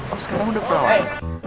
oh sekarang udah perawatan